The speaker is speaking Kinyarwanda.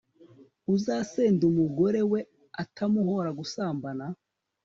uzasenda umugore we atamuhora gusambana